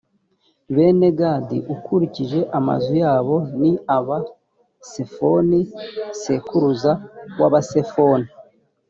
bene gadi, ukurikije amazu yabo ni aba: sefoni sekuruza w’abasefoni.